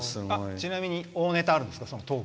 ちなみに大ネタはあるんですか？